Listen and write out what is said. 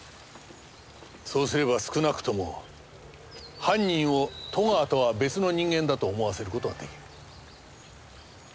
そうすれば少なくとも犯人を戸川とは別の人間だと思わせる事が出来る。